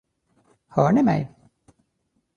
Hör ni mig?